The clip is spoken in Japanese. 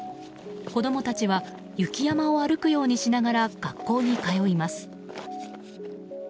子供たちは雪山を歩くようにしながら学校に通います。